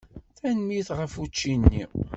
Tanemmirt ɣef učči-nni.